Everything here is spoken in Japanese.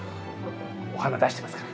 お花出してますから。